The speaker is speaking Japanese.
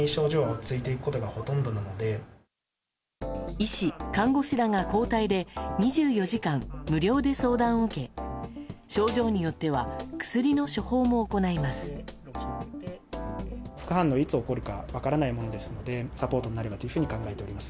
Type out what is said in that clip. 医師、看護師らが交代で２４時間、無料で相談を受け症状によっては薬の処方も行います。